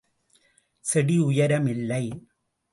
செடி உயரம் இல்லை.